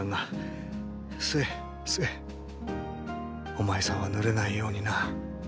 おまいさんはぬれないようにな。